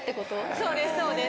そうですそうです。